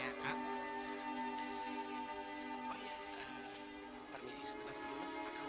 aku mau balik